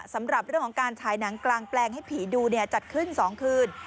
สำหรับเรื่องของการฉายหนังกลางแปลงให้ผีดูจัดขึ้น๒คืน